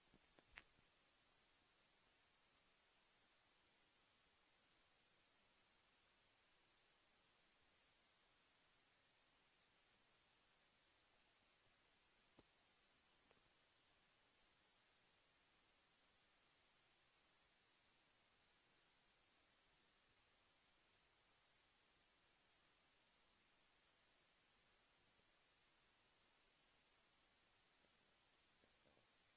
โปรดติดตามตอนต่อไป